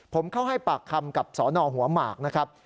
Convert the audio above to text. ผมเข้าให้ปากคำกับสนหัวหมากนะครับ